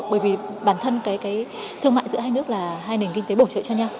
bởi vì bản thân cái thương mại giữa hai nước là hai nền kinh tế bổ trợ cho nhau